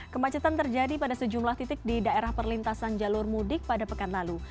kemacetan terjadi pada sejumlah titik di daerah perlintasan jalur mudik pada pekan lalu